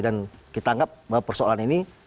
dan kita anggap bahwa persoalan ini